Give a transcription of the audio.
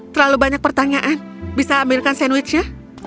terlalu banyak pertanyaan bisa ambilkan sandwich nya